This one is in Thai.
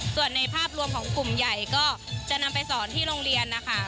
ส่วนในภาพรวมของกลุ่มใหญ่ก็จะนำไปสอนที่โรงเรียนนะคะ